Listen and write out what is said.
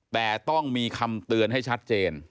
แต่ต้องมีคำเตือนให้ชัดเจน